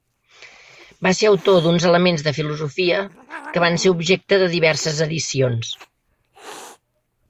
Va ser autor d’uns elements de filosofia que van ser objecte de diverses edicions.